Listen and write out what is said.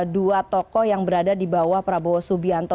dua tokoh yang berada di bawah prabowo subianto